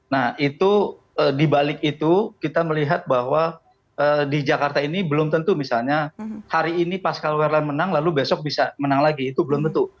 nah itu dibalik itu kita melihat bahwa di jakarta ini belum tentu misalnya hari ini pascal werland menang lalu besok bisa menang lagi itu belum tentu